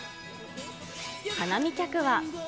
花見客は。